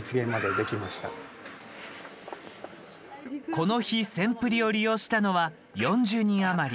この日「せん★プリ」を利用したのは４０人余り。